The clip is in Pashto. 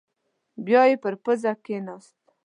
بيايې پر پزه کېناست.